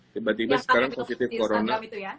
tiba tiba sekarang positif corona